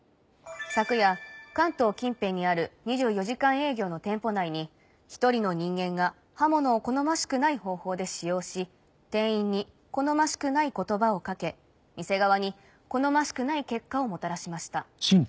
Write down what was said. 昨夜関東近辺にある２４時間営業の店舗内に１人の人間が刃物を好ましくない方法で使用し店員に好ましくない言葉を掛け店側に好ましくない結果をもたらしました。